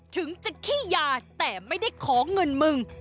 ถึงจะขี้ยาแต่ไม่ได้ขอเงินมึง